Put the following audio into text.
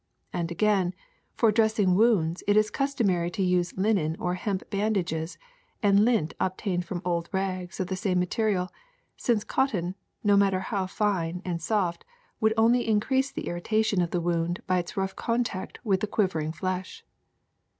And again, for dressing wounds it is customary to use linen or hemp bandages and lint obtained from old rags of the same material, since cotton, no matter how fine, and soft, would only increase the irritation of the wound by its rough contact with the quivering flesh.